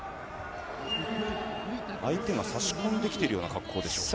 相手が差し込んできているような格好でしょうか。